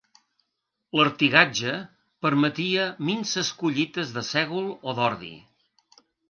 L'artigatge permetia minses collites de sègol o d'ordi.